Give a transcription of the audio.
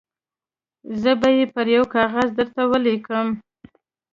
زه به یې پر یوه کاغذ درته ولیکم.